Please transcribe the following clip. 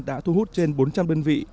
đã thu hút trên bốn trăm linh đơn vị